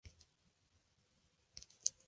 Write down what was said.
Soviet y Estado fascista corporativo, Roma y Moscú.